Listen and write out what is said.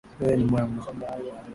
Wewe ni mwema